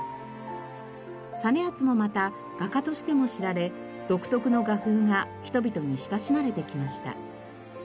実篤もまた画家としても知られ独特の画風が人々に親しまれてきました。